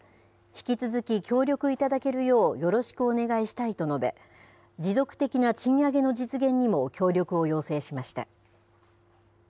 引き続き協力いただけるよう、よろしくお願いしたいと述べ、持続的な賃上げの実現にも協力を要請しました。